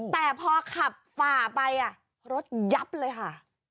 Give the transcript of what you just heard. แต่พอขับฝ่าไปรถยับเลยค่ะ